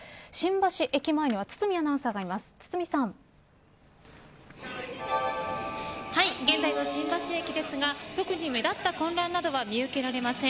新橋駅前には堤アナウンサーがはい、現在の新橋駅ですが特に目立った混乱などは見受けられません。